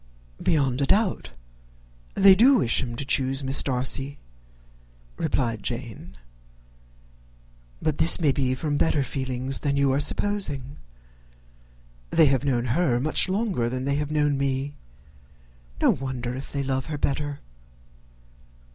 "Beyond a doubt they do wish him to choose Miss Darcy," replied Jane; "but this may be from better feelings than you are supposing. They have known her much longer than they have known me; no wonder if they love her better.